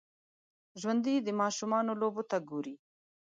ژوندي د ماشومانو لوبو ته ګوري